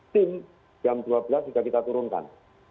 tim jam dua belas sudah kita turunkan